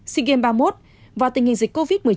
sigem ba mươi một và tình hình dịch covid một mươi chín